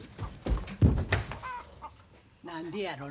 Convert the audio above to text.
何でやろな。